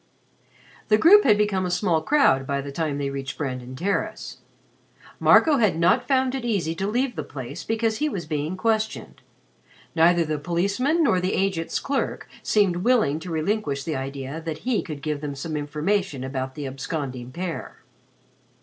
The group had become a small crowd by the time they reached Brandon Terrace. Marco had not found it easy to leave the place because he was being questioned. Neither the policeman nor the agent's clerk seemed willing to relinquish the idea that he could give them some information about the absconding pair.